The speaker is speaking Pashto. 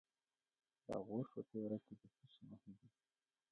د غور په تیوره کې د څه شي نښې دي؟